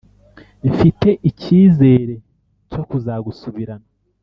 Mfite ikizere cyo kuzagusubirana